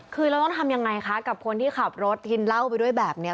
คือเราต้องทำยังไงคะกับคนที่ขับรถกินเหล้าไปด้วยแบบนี้